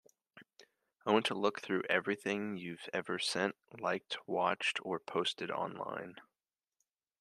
I want to look through everything you’ve ever sent, liked, watched, or posted online.